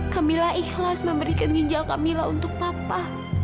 kamila ikhlas memberikan ginjal kamila untuk papa